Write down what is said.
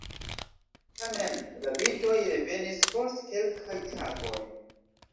Tamen la birdoj revenis post kelkaj tagoj.